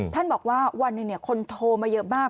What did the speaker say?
ท่านบอกว่าวันหนึ่งคนโทรมาเยอะมาก